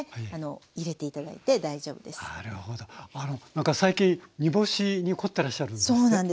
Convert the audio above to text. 何か最近煮干しに凝ってらっしゃるんですって？